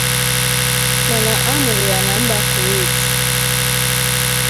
mana a mụrụ ya na mba Kuweti